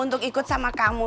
untuk ikut sama kamu